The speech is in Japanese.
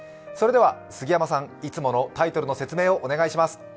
それでは杉山さん、いつものタイトルの説明をお願いします。